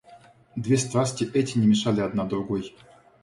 Две страсти эти не мешали одна другой.